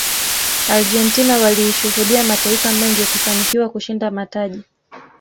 argentina waliishuhudia mataifa mengi yakifanikiwa kushinda mataji